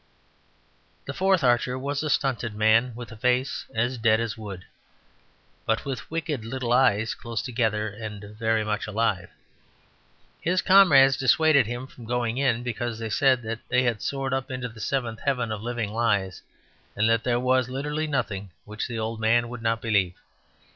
The fourth archer was a stunted man with a face as dead as wood, but with wicked little eyes close together, and very much alive. His comrades dissuaded him from going in because they said that they had soared up into the seventh heaven of living lies, and that there was literally nothing which the old man would not believe.